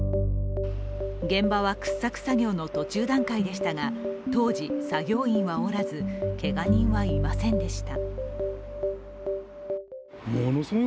現場は掘削作業の途中段階でしたが、当時、作業員はおらずけが人はいませんでした。